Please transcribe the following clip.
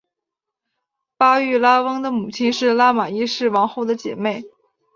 巴育拉翁的母亲是拉玛一世王后的姐妹。